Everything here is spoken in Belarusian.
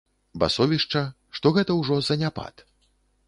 Басовішча, што гэта ўжо заняпад.